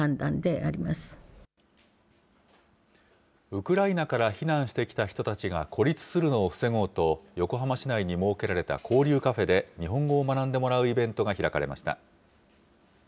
ウクライナから避難してきた人たちが孤立するのを防ごうと、横浜市内に設けられた交流カフェで、日本語を学んでもらうイベントが開かれました。